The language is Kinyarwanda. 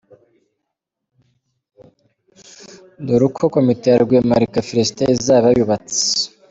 Dore uko komite ya Rwemarika Felicite izaba yubatse:.